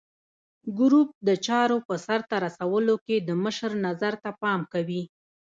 ګروپ د چارو په سرته رسولو کې د مشر نظر ته پام کوي.